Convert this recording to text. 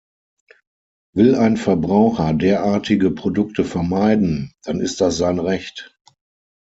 Will ein Verbraucher derartige Produkte vermeiden, dann ist das sein Recht.